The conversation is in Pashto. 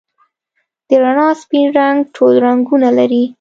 د رڼا سپین رنګ ټول رنګونه لري.